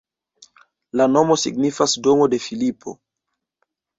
La nomo signifas domo de Filipo.